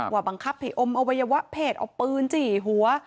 บังคับให้อมอวัยวะเพศเอาปืนจี่หัว